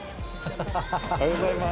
おはようございます。